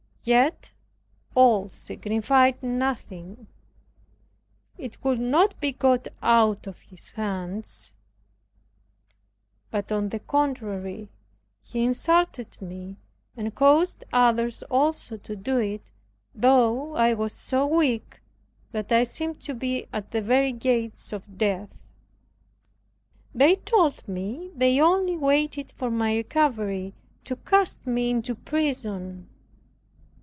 Yet all signified nothing; it could not be got out of his hands; but on the contrary, he insulted me, and caused others also to do it, though I was so weak that I seemed to be at the very gates of death. They told me they only waited for my recovery to cast me into prison.